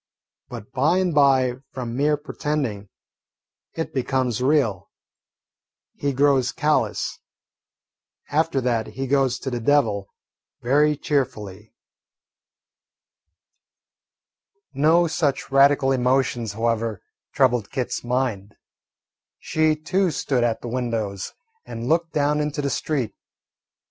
But by and by, from mere pretending, it becomes real. He grows callous. After that he goes to the devil very cheerfully. No such radical emotions, however, troubled Kit's mind. She too stood at the windows and looked down into the street.